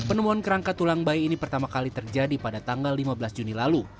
penemuan kerangka tulang bayi ini pertama kali terjadi pada tanggal lima belas juni lalu